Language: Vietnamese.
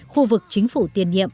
khu vực chính phủ tiền nhiệm